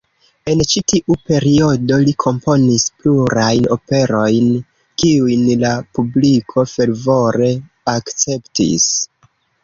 En ĉi tiu periodo li komponis plurajn operojn, kiujn la publiko fervore akceptis.